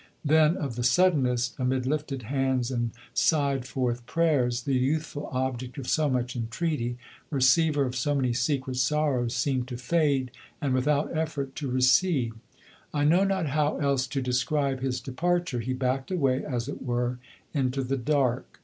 Then, of the suddenest, amid lifted hands and sighed forth prayers the youthful object of so much entreaty, receiver of so many secret sorrows, seemed to fade and, without effort, to recede. I know not how else to describe his departure. He backed away, as it were, into the dark.